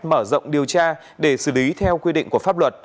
mở rộng điều tra để xử lý theo quy định của pháp luật